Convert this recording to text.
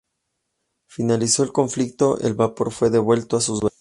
Finalizado el conflicto, el vapor fue devuelto a sus dueños.